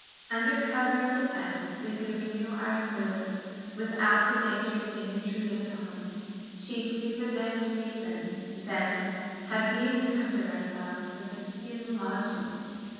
Under cover of the tents, we could renew our toilet without the danger of being intruded upon. Chiefly for this reason, then, had we encumbered ourselves with the skin lodges.